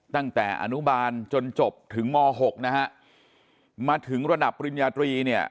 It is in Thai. ตั้งแต่อนุบาลจนจบถึงม๖มาถึงระดับปริญญาตรี